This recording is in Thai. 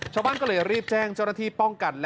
ชาวบ้านก็เลยรีบแจ้งเจ้าหน้าที่ป้องกัน